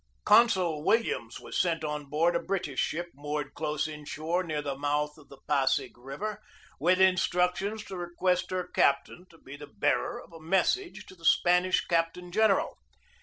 Consul Williams was sent on board a British ship moored close inshore near the mouth of the Pasig River, with instructions to request her captain to be the bearer of a message to the Spanish captain gen eral.